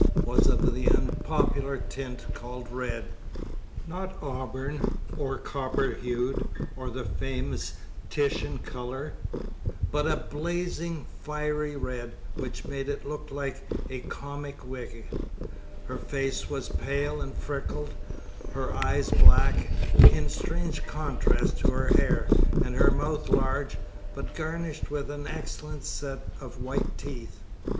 was of the unpopular tint called red; not auburn, or copper hued, or the famous Titian color, but a blazing, fiery red, which made it look like a comic wig. Her face was pale and freckled, her eyes black in strange contrast to her hair, and her mouth large, but garnished with an excellent set of white teeth.